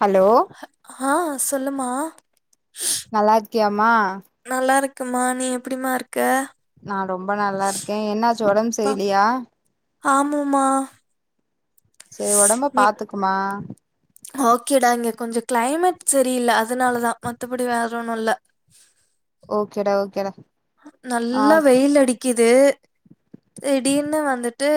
hello ஆஹ் சொல்லு மா நல்லா இருக்கியமா நல்லா இருக்கு மா நீ எப்படிமா இருக் நான் ரொம்ப நல்லா இருக்கேன் என்னாச்சு ஒடம்பு சரிலயா ஆமாமா செரி ஒடம்ப பாத்துக்குமா ஓகேடா இங்க கொஞ்சம் கிளைமேட் சரியில்ல அதனாலதான் மத்தபடி வேற ஒன்னும் இல்ல ஓகேடா ஓகேடா ஆ நல்லா வெயில் அடிக்குது திடீர்னு வந்துட்டு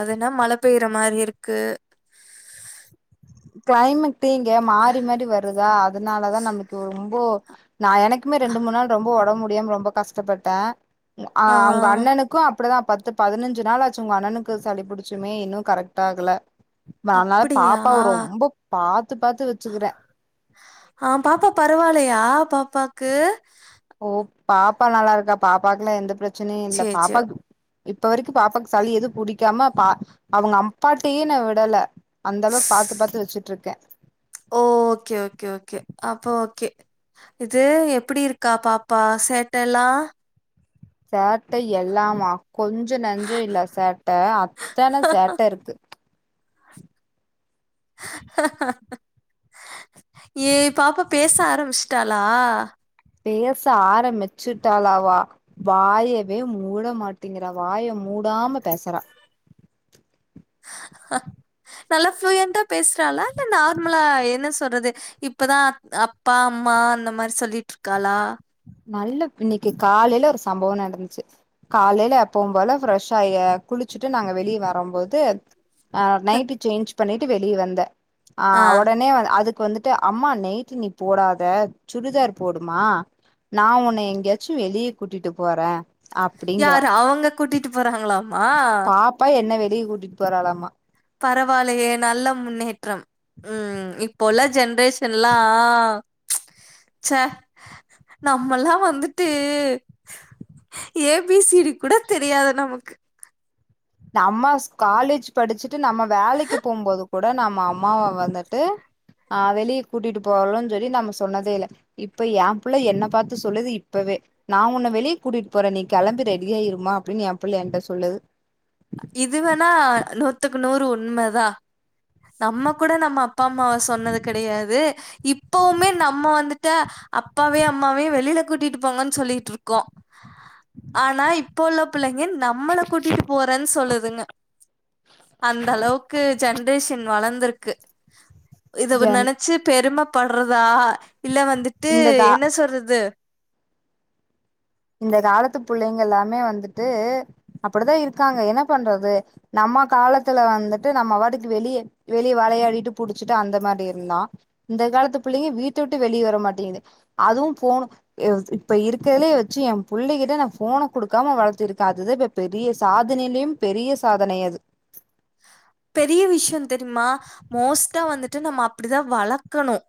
அது என்னா மழை பெய்ற மாதிரி இருக்கு கிளைமேட் ட்டீங்க மாறி மாறி வருதா அதனால தான் நமக்கு ஒ ஒ நான் எனக்குமே ரெண்டு மூனு நாள் ரொம்ப ஒடம்பு டிய ரொம்ப கஷ்டப்பட்டேன் அ ஆ அவங்க அண்ணனுக்கும் அப்படிதான் பத்து பதினஞ்சு நாள் ஆச்சு உங்க அண்ணனுக்கு சளி புடிச்சுமே இன்னும் கரெக்ட் ஆகல னால அப்படியா பாப் அப்ப ரொம்ப பாத்து பாத்து வெச்சுக்கிறேன் யா பாப்பாக்கு ஓ பாப்பா நல்லா இருக்கா பாப்பாக்குல்லாம் எந்த பிரச் சனையே இல்ல சரி சரி பாப்பாக்கு இப்ப வரைக்கும் பாப்பாக்கு சளி எதுவும் புடிக்காம பா அவங்க அப்பாட்டையே ந விடல அந்த அளவுக்கு பாத்து பாத்து வெச்சுட்டு இருக்கேன் ஓ ஓகே ஓகே ஓகே அப்போ ஓகே இது எப்டி இருக்கா பாப்பா சேட்ட எல்லாம் சேட்டை எல்லாமா கொஞ்சம் நஞ்சும் இல்ல சேட்ட அத்தன சேட்ட இருக்கு ஏ பாப்பா பேச ஆரம்பிச்சுட்டாலா பேச ஆரமிச்சுட்டாளா அவ வாயவே மூட மாட்டிங்கிறா வாய மூடாம பேசறா ஹ நல்லா ஃப்ளயண்டா பேசுறாளா இல்ல நார்மலா என்ன சொல்றது இப்பதான் அத் அப்பா அம்மா அந்தமாரி சொல்லிட்டு இருக்காளா நல்ல இன்னிக்கு காலையில ஒரு சம்பவம் நடந்துச்சு காலையில எப்பவும்போல ஃப்ரெஷ் ஆயி குளிச்சுட்டு நாங்க வெளிய வரும் போது ஆ நைட்டி சேஞ்ச் பண்ணிட்டு வெளிய வந்தேன் ஆ ஒடனே வந் அது வந்துட்டு அம்மா நைட்டி நீ போடாத சுடிதார் போடுமா நா உன்ன எங்கயாச்சும் வெளிய கூட்டிட்டு போறேன் யார் அவுங்க கூட்டிட்டு ட்டு போறாங்களா பாப்பா என்ன வெ ளிய கூட்டிட்டு போறாலாமா பரவால்லையே நல்ல முன்னேற்றம் ம் இப்ப உள்ள ஜென்ரேஷன்ல்லா ச்ச நம்மல்லா வந்துட்டு ஏ பி சி டி கூட தெரியாது நமக்கு நம்மாஸ் காலேஜ் படிச்சுட் டு நம்ம வேலைக்கு போம்போது கூட நம்ம அம்மாவ வந்துட்டு ஆ வெளிய கூட்டிட்டு போவலன் சொல்லி நம்ம சொன்னதே இல்ல இப்ப என் புள்ள என்ன பாத்து சொல்லுது இப்பவே நா உன்ன வெளிய கூட்டிட்டு போறே நீ கெளம்பி ரெடியாயிருமா அப்டின்னு என் புள்ள எங்கிட்ட சொல்லுது இதுவேணா நூத்துக்கு நூறு உண்மதா நம்ம கூட நம்ம அப்பா அம்மாவ சொன்னது கெடையாது இப்பவுமே நம்ம வந்துட்டு அப்பாவயு அம்மாவயு வெளியில கூட்டிட்டு போங்கன்னு சொல்லிட்டு இருக்கோ ஆனா இப்ப உள்ள பிள்ளைங்க நம்மள கூட்டிட்டு போ சொல்லுதுங்க அந்த அளவுக்கு ஜென்ரேஷன் வளந்திருக்கு இதவு ஜன் நெனச்சு பெருமப் பட்றதா இல்ல வந்துட்டு இந்த கா என்ன சொல்றது இந்த காலத்து புள்ளைங்க எல்லாமே வந்துட்டு அப்டிதா இருக்காங்க என்ன பண்றது நம்ம காலத்துல வந்துட்டு நம்ம வாட்டுக்கு வெளிய வெளிய வெளையாடிட்டு புடிச்சிட்டு அந்த மாரி இருந்தோ இந்த காலத்து புள்ளைங்க வீட்ட விட்டு வெளிய வர மாட்டேங்குது அதுவு போனு இப்ப இருக்கர்துலே சி என் புள்ளைகிட்ட நா போன கொடுக்காம வளர்த்திருக்கே அதுதா இப்ப பெரிய சாதனையிலயும் பெரிய சாதனை அது பெரிய விஷயம் தெரியுமா மோஸ்ட்டா வந்துட்டு நம்ம அப்படிதா வளக்கணும்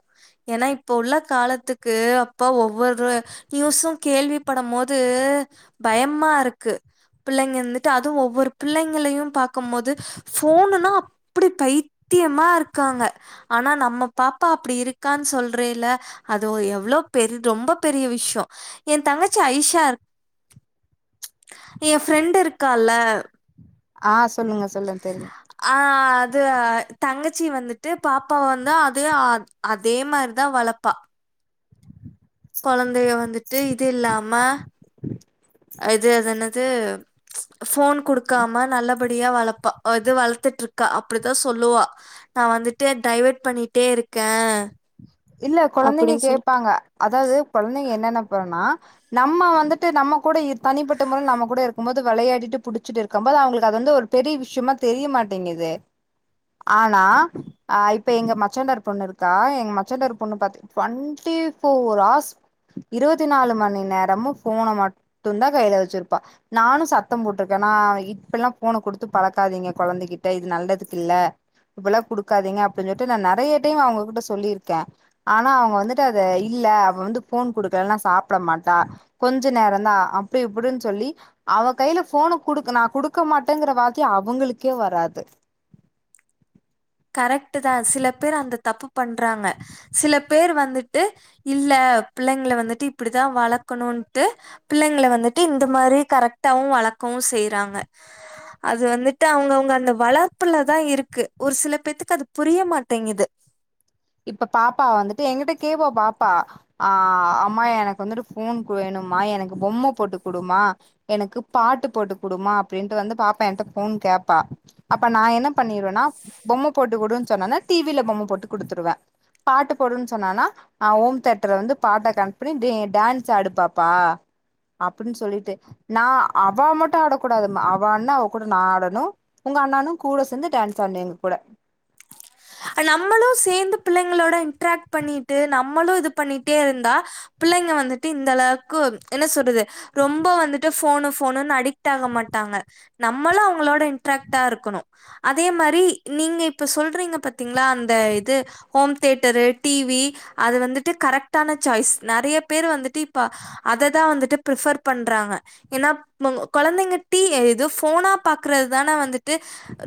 ஏன்னா இப்ப உள்ள காலத்துக்கு அப்ப ஒவ்வொரு நியூஸும் கேள்வி படும் போது பயமா இருக்கு பிள்ளைங்க இருந்துட்டு அதுவு ஒவ்வொரு பிள்ளைங்களையு பாக்கும் போது போனுன்னா அப்டி பைத்தியமா இருக்காங்க ஆனா நம்ம பாப்பா அப்படி இருக்கான் சொல்றேல்ல அது ஒரு எவ்ளோ பெர் ரொம்ப பெரிய விஷயம் என் தங்கச்சி ஐஷா என் ஃப்ரெண்ட் இருக்கால்ல ஆஸ் சொல்லுங்க சொல்லுங் தெரியு து ஆ தங்கச்சி வந்துட்டு பாப்பாவ வந்து அதுவே ஆத் அதே மாரிதா வளப்பா கொழந்தைய வந்துட்டு இது இல்லாம அ இது அதென்னது ச்ச ஃபோன் குடுக்காம நல்லப் படியா வளப்பா அது வளத்துட்டுருக்கா அப்பிடிதா சொல்லுவா நா வந்துட்டு டைவர்ட் பண்ணிட்டே இருக்கே இல்ல கொழந்தைங்க கேப்பாங்க அதாவுது கொழந்தைங்க என்னென்னா பண்ணுனா நம்ம வந்துட்டு நம்ம கூட இ தனிப்பட்ட முறல நம்ம கூட இருக்கும் போது வெளையாடிட்டு புடிச்சிட் இருக்கம் போது அவுங்குளுக்கு அது வந்து ஒரு பெரி விஷ்யுமா தெரியமாட்டேங்குது ஆனா அ இப்ப எங்க மச்சான்தார் பொண்ணு இருக்கா எங் மச் மச்சாதாரு பொண்ண பாத் டுவென்டி ஃபோர் ஹார்ஸ் இருவத்தி நாலு மணி நேரமு ஃபோன மட்டுந்தா கைல வெச்சிருப்பா நானு சத்தம் போட்டிருக்கே நா இப்பில்லா ஃபோன கொடுத்து பழக்காதீங்க கொழந்தைகிட்ட இது நல்லதுக் இல்லா இப்பில்லா குடுக்காதீங்க அப்டின் சொல்ட்டு நா நெறைய டைம்மு அவுங்க கிட்ட சொல்லி க்கே ஆனா அவங்க வந்துட்டு அத இல்ல அவ வந்து போன் குடுக்கலன்னா சாப்பிட மாட்டா கொஞ்ச நேரந்தா அப்டி இப்டின்னு சொல்லி அவ கையில போன குடுக்க நா குடுக்க மாட்டேங்குற வார்க்கி அவங்களுக்கே வராது கரெக்ட்டு தா சில பேர் அந்த தப்பு பண்றாங்க சில பேர் வந்துட்டு இல்ல பிள்ளைங்கள வந்துட்டு இப்டிதா வளக்கணுன்ட்டு பிள்ளைங்கள வந்துட்டு இந்த மாரி கரெக்டாவு வளக்கவு செய்றாங்க அது வந்துட்டு அவ்ங்கவுங்க அந்த வளர்ப்புலதா இருக்கு ஒரு சிலப் பேத்துக்கு அது புரிய மாட்டேங்குது இப்ப பாப்பா வந்துட்டு எங்கிட்ட கேப்பா பாப்பா ஆ அம்மா எனக்கு வந்துட்டு ஃபோன் கு வேணும்மா எனக்கு பொம்ம போட்டு குடும்மா எனக்கு பாட்டு போட்டு குடுமா அப்டின்ட்டு வந்து பாப்பா என்ட ஃபோன் கேப்பா அப்ப நா என்ன பண்ணிருவேனா பொம்ம போட்டு குடுனு சொன்னோனா டி வி ல பொம்ம போட்டு குடுத்துருவே பாட்டு போடுன் சொன்னானா நா ஓம்தேட்டர்ல வந்து பாட்ட கனெக்ட் பண்ணி நீ டான்ஸ் ஆடுப் பாப்பா அப்டின் சொல்லிட்டு நா அவா மட்டு ஆடக்கூடாதும் அவ ஆட்னா அவ கூட நா ஆடணு உங்க அண்ணனு கூட சேந்து டான்ஸ் ஆட்னு எங்க கூட நம்மளு சேந்து பிள்ளைங்களோட இன்ட்ராக்ட் பண்ணிட்டு நம்மளு இது பண்ணிட்டே இருந்தா பிள்ளைங்க வந்துட்டு இந்த அளவுக்கு என்ன சொல்றது ரொம்ப வந்துட்டு ஃபோனு ஃபோனுன்னு அடிக்ட் ஆக மாட்டாங்க நம்மளு அவ்ங்களோட இன்ட்ராக்டா இருக்கணு அதே மாரி நீங்க இப்ப சொல்றீங்க பாத் த்திங்ளா அந்த இது ஹோம் தேட்டரு டி வி அது வந்துட்டு கரெக்டான சாய்ஸ் நெறைய பேரு வந்துட்டு இப்ப அததா வந்துட்டு பிரிஃபர் பண்றாங்க ஏனா நோ கொழந்தைங்க டி எ இது ஃபோனா பாக்குறதுதானே வந்துட் து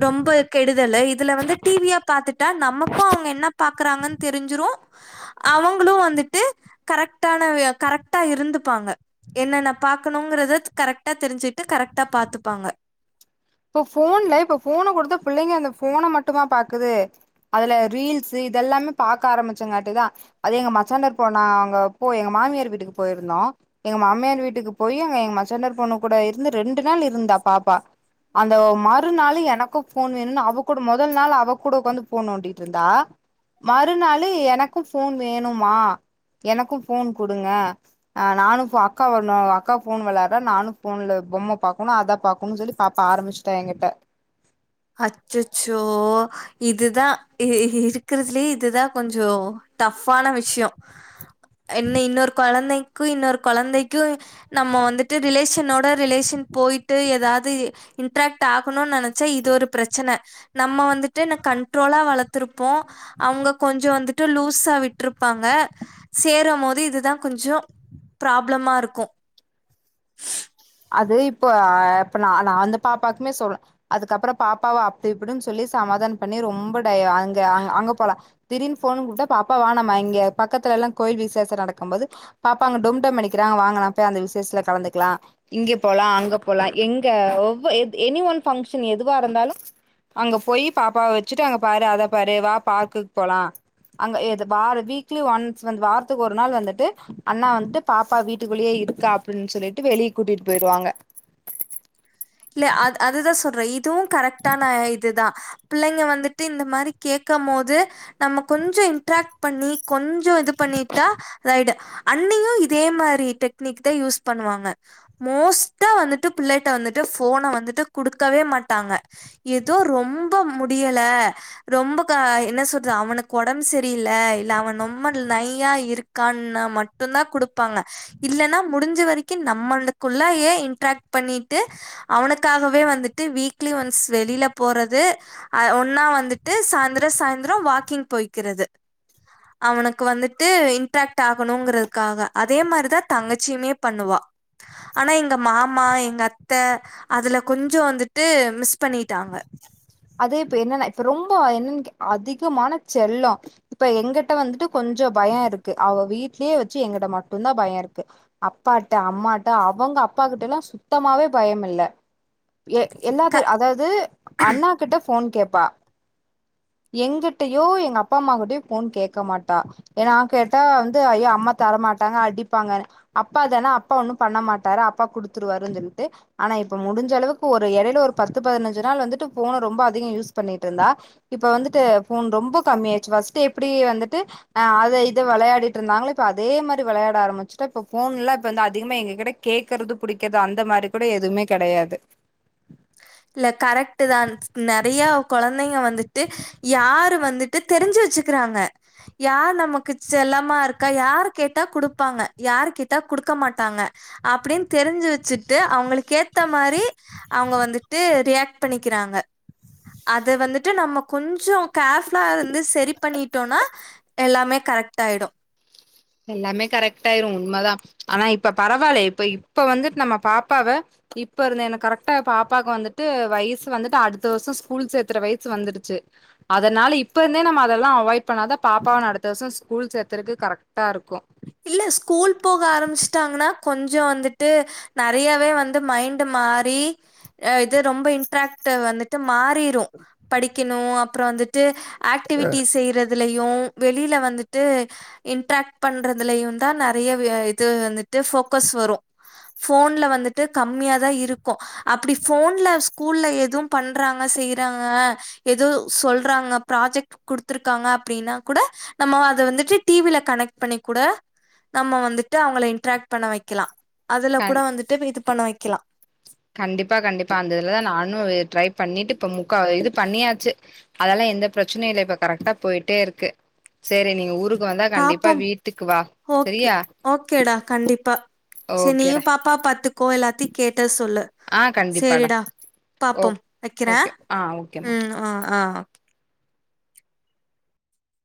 ரொம்ப கெடுதலு இதுல வந்து டி வி யா பாத்துட்டா நமக்கு அவ்ங்க என்ன பாக்குறாங்கன் தெரிஞ்சிரு அவங்களும் வந்துட்டு கரெக்டானவே கரெக்டா இருந்துப்பாங்க என்னன்ன பாக்கணுங்கறத கரெக்டா தெரிஞ்சுட்டு கரெக்டா பாத்துப்பாங்க இப்ப ஃபோன்ல இப்ப ஃபோன குடுத்து புள்ளைங்க அந்த ஃபோன மட்டுமா பாக்குது அதுல ரீல்ஸ்ஸு இதெல்லாமே பாக்க ஆரம்பிச்சங்காட்டு தா அது எங்க மச்சான்ட இப்ப நா அங்க போ எங்க மாமியார் வீட்டுக்கு போயிருந்தோ எங்க மாமியார் வீட்டுக்கு போய் அங்க எங்க மச்சாண்டர் பொண்ணு கூட இருந்து ரெண்டு ரெண்டு நாள் இருந்தா பாப்பா அந்த மறு நாளு எனக்கு ஃபோன் வேணுன்னு அவ கூட மொதல் நாள் அவ கூட ஒக்காந்து ஃபோன் நோன்டிட்ருந்தா மறு நாளு எனக்கு ஃபோன் வேணும்மா எனக்கு ஃபோன் குடுங்க அஹ் நானும் இப்ப அக்கா வரணும் அக்கா ஃபோன் விளாடுற நானும் ஃபோன்ல பொம்ம பாக்கணும் அத பாக்கணும் சொல்லி பா ப்ப ஆரம்பிச்சிட்டா என்கிட்ட அச்சச்சோ இதுதான் இருக்கிறதுலயே இதுதான் கொஞ்சம் டஃப்பான விஷயம் என்ன இன்னொரு கொழந்தைங்க க்கு இன்னொரு குழந்தைக்கும் நம்ம வந்துட்டு ரிலேஷனோட ரிலேஷன் போயிட்டு ஏதாவது இன்ட்ராக்ட் ஆகணும்னு நினைச்சா இது ஒரு பிரச்சன நம்ம வந்துட்டு என் கண்ட்ரோலா வளர்த்திருப்போம் அவுங்க கொஞ்சம் வந்துட்டு லூஸா விட்டுருப்பாங்க சேரும் போது இதுதான் கொஞ்சம் ப்ராப்ளமா இருக்கும் அது இப்போ இப்ப ந நான் வந்து பாப்பாவுக்குமே சொல்லே அதுக்கப்புறம் பாப்பாவை அப்படி இப்படின்னு சொல்லி சமாதானம் பண்ணி ரொம்ப டய அங்க அங்க போலாம் திடீர்னு ஃபோன்னு கூப்பிட்டா பாப்பா வா நம்ம இங்க பக்கத்துல எல்லாம் கோயில் விசேஷம் நடக்கும் போது பாப்பா அங்க டும்டும் அடிக்கிறாங்க வாங்க நா போ அந்த விசேஷத்துல கலந்துக்கலாம் இங்க போலாம் அங்க போலாம் எங்க ஒவ் எனி ஒன் ஃபங்க்ஷன் எதுவா இருந்தாலும் அங்க போய் பாப்பாவ வச்சுட்டு அங்க பாரு அத பாரு வா பார்க்குக்கு போலாம் அங்க வா வீக்லி ஒன்ஸ் வந் வாரத்துக்கு ஒரு நாள் வந்துட்டு அண்ணா வந்துட்டு பாப்பா வீட்டுக்குள்ளேயே இருக்கா அப்படின்னு சொல்லிட்டு வெளிய கூட்டிட்டு போயிருவாங்க இல்ல அது அதுதான் சொல்றேன் இ இதுவும் கரெக்டான இதுதான் பிள்ளைங்க வந்துட்டு இந்த மாதிரி கேட்கும் போது நம்ம கொஞ்சம் இன்ட்ராக்ட் பண்ணி கொஞ் இதுவும் இது பண்ணிட்டா ரைடு அண்ணியும் இதே மாதிரி டெக்னிக் தான் யூஸ் பண்ணுவாங்க மோஸ்டா வந்துட்டு பிள்ளட்ட வந்துட்டு ஃபோன வந்துட்டு குடுக்கவே மாட்டாங்க ஏதோ ரொம்ப முடியல ரொம்ப என்ன சொல்றது அவனுக்கு உடம்பு சரியில அவன் ரொம்ப நையா இருக்கான்னு மட்டும் தான் குடுப்பாங்க இல்லன்னா முடிஞ்ச வரைக்கும் நம்மளுக்குள்ளயே இன்ட்ராக்ட் பண்ணிட்டு அவனுக்காகவே வந்துட்டு வீக்லி ஒன்ஸ் வெளியில போறது ஒன்னா வந்துட்டு சாயந்திரம் சாயந்திரம் வாக்கிங் போய்கிறது அவனுக்கு வந்துட்டு இன்ட்ராக்ட் ஆகணும்ங்கறதுக்காக அதே மாரிதான் தங்கச்சியுமே பண்ணுவா ஆனா எங்க மாமா எங்க அத் அத்த அதுல கொஞ்சம் வந்துட்டு மிஸ் பண்ணிட்டாங்க அதே இப்ப என்னன்னா இப்ப ரொம்ப என்னன்னு அதிகமான செல்லம் இப்ப எங்ககிட்ட வந்துட்டு கொஞ்சம் பயம் இருக்கு அவ வீட்லயே வச்சு எங்கிட்ட மட்டும் தான் பயம் இருக்கு அப்பாட்ட அம்மாட்ட அவுங்க அப்பா கிட்ட எல்லாமே சுத்தமாவே பயம் இல்ல ஏ க எல்லாத்து அதாவது அண்ணா அப்ப ஃபோன் கேட்பா எங்கிட்டயோ எங்க அப்பா அம்மா கிட்டயோ ஃபோன் கேட்க மாட்டா ஏனா கேட் தா வந்து ஐயோ அம்மா தரமாட் டாங்க அடிப்பாங்கனு அப்பா தான அப்பா ஒன்னு பண்ண மாட்டாரு அப்பா குடுத்துருவாருன் சொல்ட்டு ஆனா இப்ப முடிஞ்ச அளவுக்கு ஒரு எடையில ஒரு பத்து பதினஞ்சி நாள் வந்துட்டு ஃபோன ரொம்ப அதிக யூஸ் பண்ணிட் இருந்தா இப்ப வந்துட்டு ஃபோன் ரொம்போ கம்மி ஆயிச்சு ஃபஸ்ட்டு எப்டி வந்துட்டு அ அத இத வெளையாடிட் இருந்தாங்களோ இப்ப அதே மாரி வெளையாட ஆரம்பிச்ட்டா இப்ப ஃபோன் எல்லா இப்ப வந்து அதிகமா எங்ககிட்ட கேக்குறது புடிக்கிறது அந்த மாரி கூட எதுமே கெடையாது இல்ல கரெக்ட்டு தான் நெறைய கொழந்தைங்க வந்துட்டு யாரு வந்துட்டு தெரிஞ்சி வச்சுக்குறாங்க யார் நமக்கு செல்லமா இருக்கா யாரு கேட்டா குடுப்பாங்க யார் கேட்டா குடுக்க மாட்டாங்க அப்டின் தெரிஞ்சி வச்சிட்டு அவுங்களுக்கு ஏத்த மாரி அவுங்க வந்து ரியாட் பண்ணிக்கிறாங்க அத வந்திட்டு நம்ம கொஞ்சோ கேர்ஃபுல்லா இருந்து செரி பண்ணிட்டோனா எல்லாமே கரெக்ட்டாயிடோ எல்லாமே கரெக்ட் ஆயிரோ உண்மதா ஆனா இப்ப பரவாயில்ல இப்ப இப்ப வந்துட்டு நம்ம பாப்பாவ இப்ப இருந்து எனக்கு கரெக்டா பாப்பாவுக்கு வந்துட்டு வயசு வந்துட்டு அடுத்த வருஷ் ஸ்கூல் சேர்த்துற வயசு வந்துருச்சு அதனால இப்ப இருந்தே நம்ம அதெல்லா அவாய்ட் பண்ணாதா பாப்பாவனு அடுத்த வருஷம் ஸ்கூல் சேர்த்தறக்கு கரெக் கரெக்டா இருக்கோ இல்ல ஸ்கூல் போக ஆரம்பிச்சிட்டாங்கன்னா கொஞ்சோ வந்துட்டு நறையாவே வந்து மைண்ட் மாறி இது ரொம்ப இன்ட்ராக்ட வந்துட்டு மாறிரோ படிக்கணோ அப்ரோ வந்துட்டு ஆக்டிவிட்டி செய்றது இதுலயோ வெளியில வந்துட்டு இன்டரக் பண்றது இதுலயுதா நறைய இது வந்துட்டு போக்கஸ் வரோ போன்ல வந்துட்டு கம்மியா தா இருக்கோ அப்டி போன்ல ஸ்கூல்ல எதவு பண்றாங்க செய்யறாங்க எதோ சொல்றாங்க ப்ராஜெக்ட் குடுத்துருக்காங்க அப்டின்னா கூட நம்ம அத வந்துட்டு டிவில கனெக்ட் பண்ணி கூட நம்ம வந்துட்டு அவங்கள இன்ட்ராக்ட் பண்ண வைக்கலா அதுல கூட கண் வந்துட்டு இது பண்ண வைக்கிலா கண்டிப்பா கண்டிப்பா அந்த இதுலதா நானு ட்ரை பண்ணிட்டு இப்ப முக்கா இது பண்ணியாச்சி அதெல்லா எந்த பிரச்சனையு இல்ல இப்ப கரெக்டா போயிட்டே இருக்கு சரி நீ ஊருக்கு வந்தா கண்டிப்பா பாப்போம் வீட்டுக்கு வா ஒகே சரியா ஓகேடா கண்டிப்பா செரி ஓகேடா நீயும் பாப்பா பாத்துக்கோ எல்லாத்தை கேட்ட சொல்லு ஆ கண்டிப்பாடா செரிடா ஓ பாப்போம் வெக்கிற ஓகே ஆ ஓகேம்மா உம் ஆஹ ஆஹ்